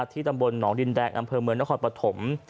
ตำบลหนองดินแดงอำเภอเมืองนครปฐม